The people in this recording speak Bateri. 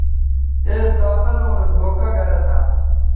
اے سادہ لوں رے دھوکہ گرہ تھہ